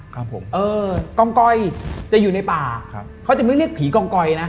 กองกอยจะอยู่ในป่าเขาจะไม่เรียกผีกองกอยนะ